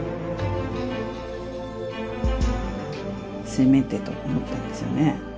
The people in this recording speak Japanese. せめてと思ったんですよね。